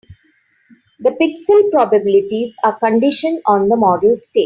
The pixel probabilities are conditioned on the model state.